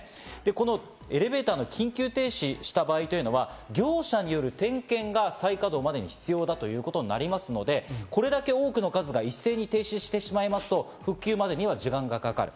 このエレベーターの緊急停止した場合というのは、業者による点検が再稼働までに必要だということになりますので、これだけ多くの数が一斉に停止してしまいますと復旧までには時間がかかる。